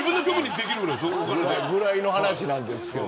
それぐらいの話なんですけど。